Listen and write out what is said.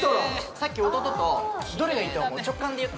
さっき弟とどれがいいと思う？